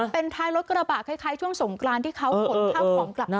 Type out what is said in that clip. เป็นท้ายรถกระบะคล้ายช่วงสงกรานที่เขาขนข้าวของกลับมา